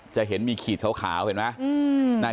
จะเห็นมีขีดขาวเห็นไหม